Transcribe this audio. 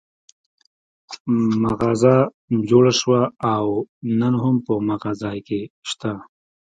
مغازه جوړه شوه او نن هم په هماغه ځای کې شته.